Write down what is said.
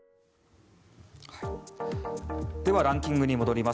ではランキングに戻ります。